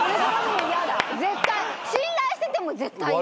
信頼してても絶対嫌。